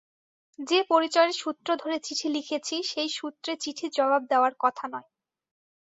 যে-পরিচয়ের সূত্র ধরে চিঠি লিখেছি, সেই সূত্রে চিঠির জবাব দেওয়ার কথা নয়।